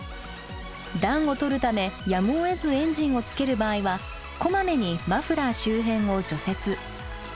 暖をとるためやむをえずエンジンをつける場合はこまめにマフラー周辺を除雪。